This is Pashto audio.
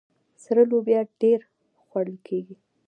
سره لوبیا ډیره خوړل کیږي.